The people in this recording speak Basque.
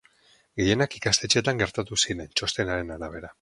Gehienak ikastetxeetan gertatu ziren, txostenaren arabera.